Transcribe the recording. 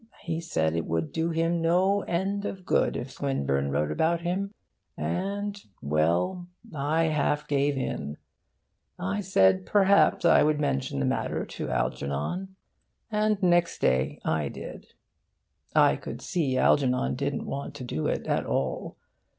He said it would do him no end of good if Swinburne wrote about him. And well, I half gave in: I said perhaps I would mention the matter to Algernon. And next day I did. I could see Algernon didn't want to do it at all.